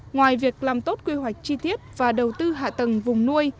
ngoài việc làm tốt quy hoạch chi tiết và đầu tư hạ tầng vùng nuôi